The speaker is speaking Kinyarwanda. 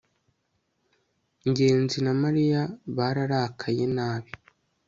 ngenzi na mariya bararakaye nabi